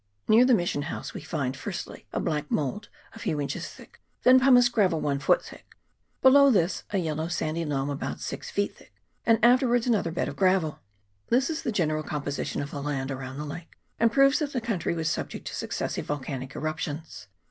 Near the mission house we find, firstly, a black mould a few inches thick, then pumice gravel one foot thick, below this a yellow sandy loam about six feet thick, and afterwards another bed of gravel. This is the general composition of the land around the lake, and proves that the country was subject to successive volcanic eruptions.